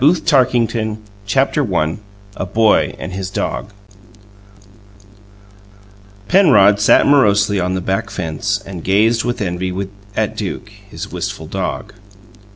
Over the Fence CHAPTER I A BOY AND HIS DOG Penrod sat morosely upon the back fence and gazed with envy at Duke, his wistful dog.